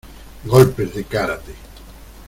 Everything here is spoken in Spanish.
¡ Golpes de kárate!